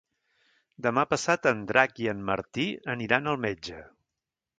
Demà passat en Drac i en Martí aniran al metge.